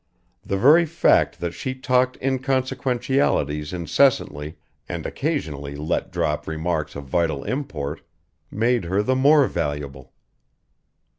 The very fact that she talked inconsequentialities incessantly and occasionally let drop remarks of vital import made her the more valuable.